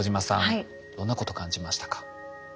どんなこと感じましたか？